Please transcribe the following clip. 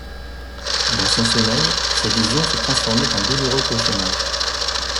Dans son sommeil, ces visions se transformaient en douloureux cauchemars.